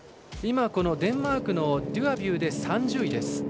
このデンマークのドュアビューで３０位です。